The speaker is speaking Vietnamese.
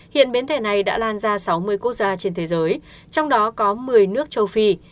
hiện biến thể này đã lan ra sáu mươi quốc gia trên thế giới trong đó có một mươi nước châu phi